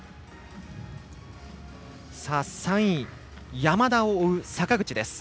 ３位、山田を追う坂口です。